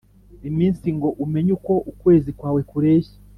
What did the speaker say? iminsi ngo umenye uko ukwezi kwawe kureshya.